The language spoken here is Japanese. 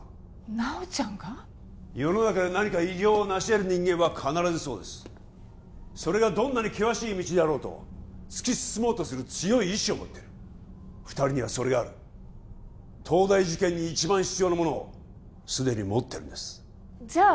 菜緒ちゃんが世の中で何か偉業をなし得る人間は必ずそうですそれがどんなに険しい道であろうと突き進もうとする強い意志を持ってる２人にはそれがある東大受験に一番必要なものを既に持ってるんですじゃ